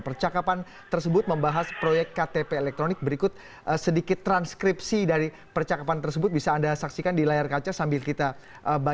percakapan tersebut membahas proyek ktp elektronik berikut sedikit transkripsi dari percakapan tersebut bisa anda saksikan di layar kaca sambil kita baca